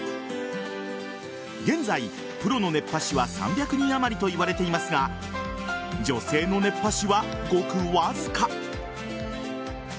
現在、プロの熱波師は３００人あまりといわれていますが女性の熱波師は、ごくわずか。